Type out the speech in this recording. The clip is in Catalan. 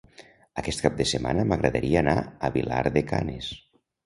Aquest cap de setmana m'agradaria anar a Vilar de Canes.